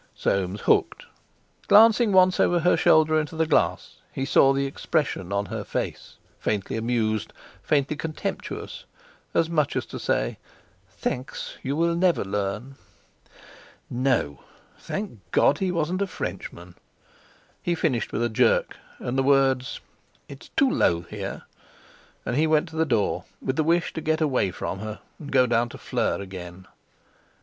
Soames hooked. Glancing once over her shoulder into the glass, he saw the expression on her face, faintly amused, faintly contemptuous, as much as to say: "Thanks! You will never learn!" No, thank God, he wasn't a Frenchman! He finished with a jerk, and the words: "It's too low here." And he went to the door, with the wish to get away from her and go down to Fleur again.